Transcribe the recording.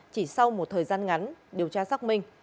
chỉ sau một thời gian ngắn điều tra xác minh